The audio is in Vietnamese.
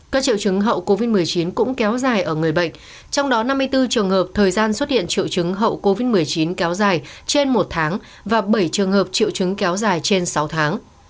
các triệu chứng hậu covid một mươi chín cũng kéo dài ở người bệnh trong đó năm mươi bốn trường hợp thời gian xuất hiện triệu chứng hậu covid một mươi chín kéo dài trên một tháng và bảy trường hợp triệu chứng kéo dài trên sáu tháng